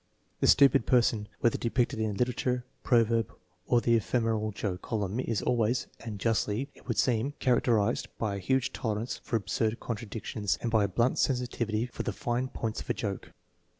The stupid person, whether depicted in literature, proverb, or the ephemeral joke column, is always (and justly, it would seem) characterized by a huge tolerance for absurd contra dictions and by a blunt sensitivity for the fine points of a joke.